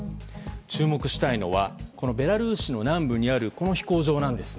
注目したいのはベラルーシの南部にあるこの飛行場なんですね。